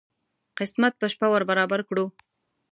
قسمت په شپه ور برابر کړو.